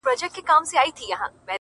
مسجد دي هم خپل و!! په درمسال دي وکړ